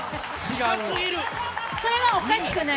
それはおかしくない。